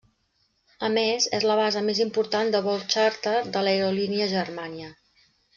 A més, és la base més important de vols xàrter de l'aerolínia Germania.